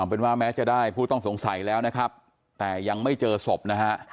เป็นว่าแม้จะได้ผู้ต้องสงสัยแล้วนะครับแต่ยังไม่เจอศพนะฮะ